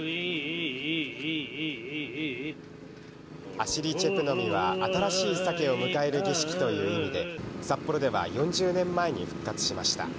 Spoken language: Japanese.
アシリ・チェプ・ノミは、新しいサケを迎える儀式という意味で、札幌では４０年前に復活しました。